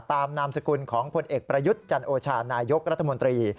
นามสกุลของผลเอกประยุทธ์จันโอชานายกรัฐมนตรี